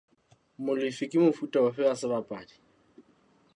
Molefi ke mofuta ofe wa sebapadi?